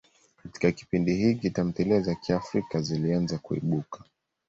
Katika kipindi hiki, tamthilia za Kiafrika zilianza kuibuka.